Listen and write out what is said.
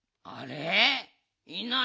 あれ？